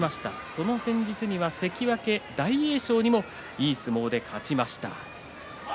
その前日には関脇大栄翔にもいい相撲で勝ちました。